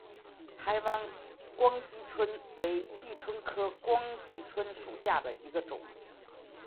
台湾光姬蝽为姬蝽科光姬蝽属下的一个种。